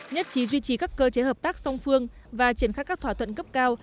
nhất trí duy trì các cơ chế hợp tác song phương và triển khai các thỏa thuận cấp cao